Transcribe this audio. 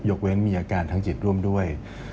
เว้นมีอาการทางจิตร่วมด้วย